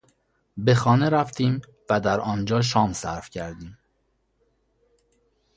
به خانه رفتیم و در آنجا شام صرف کردیم.